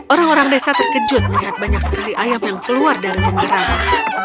orang orang desa terkejut melihat banyak sekali ayam yang keluar dari rumah ramah